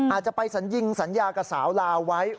อาจจะไปสัญญิงสัญญากับสาวลาวไว้